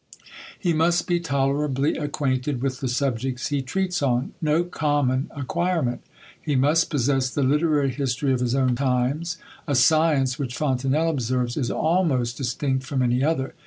He must be tolerably acquainted with the subjects he treats on; no common acquirement! He must possess the literary history of his own times; a science which, Fontenelle observes, is almost distinct from any other.